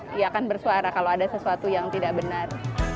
dia akan bersuara kalau ada sesuatu yang tidak benar